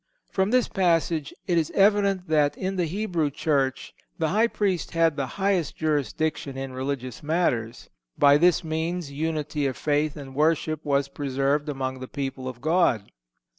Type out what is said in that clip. (153) From this passage it is evident that in the Hebrew Church the High Priest had the highest jurisdiction in religious matters. By this means unity of faith and worship was preserved among the people of God.